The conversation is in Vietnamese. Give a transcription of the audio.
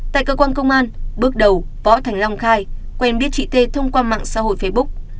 tại cơ quan công an bước đầu võ thành long khai quen biết chị t thông qua mạng xã hội facebook